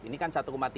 ini kan satu tiga